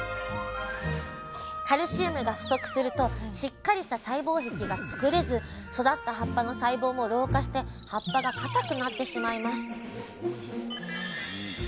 カルシウムが不足するとしっかりした細胞壁が作れず育った葉っぱの細胞も老化して葉っぱがかたくなってしまいます